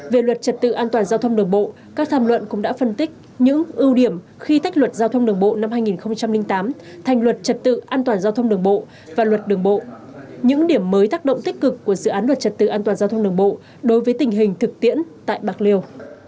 về luật trật tự an toàn giao thông đường bộ các tham luận cũng đã phân tích những ưu điểm khi tách luật giao thông đường bộ năm hai nghìn tám thành luật trật tự an toàn giao thông đường bộ và luật đường bộ những điểm mới tác động tích cực của dự án luật trật tự an toàn giao thông đường bộ đối với tình hình thực tiễn tại bạc liêu